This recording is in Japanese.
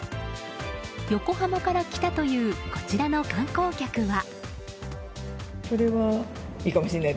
横浜から来たというこちらの観光客は。